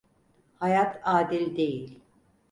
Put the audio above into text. Hayat adil değil.